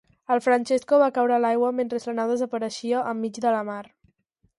El Francesco va caure a l'aigua mentre la nau desapareixia enmig de la mar.